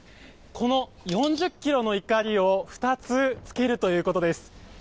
この４０ｋｇのいかりを２つつけるということです。